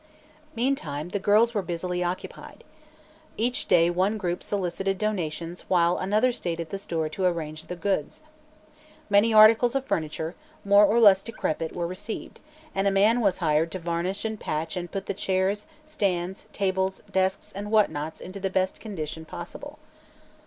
Meantime, the girls were busily occupied. Each day one group solicited donations while another stayed at the store to arrange the goods. Many articles of furniture, more or less decrepit, were received, and a man was hired to varnish and patch and put the chairs, stands, tables, desks and whatnots into the best condition possible.